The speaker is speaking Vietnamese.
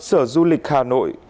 sở du lịch hà nội